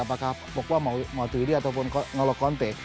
apakah pogba maupun thuidi ataupun ngelock conte